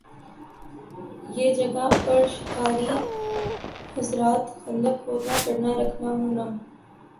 یِہ جگہ پر شکاری حضرات خندق کھودنا کرنا رکھنا ہونا